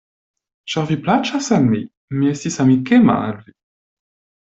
Ĉar vi plaĉas al mi; mi estis amikema al vi.